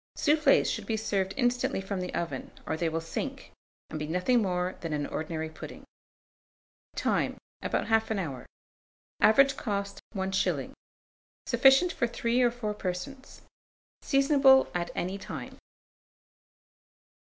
Soufflés should be served instantly from the oven, or they will sink, and be nothing more than an ordinary pudding. Time. About 1/2 hour. Average cost, 1s. Sufficient for 3 or 4 persons. Seasonable at any time.